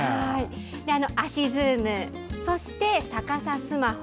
足ズーム、そして逆さスマホ。